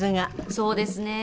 そうですね。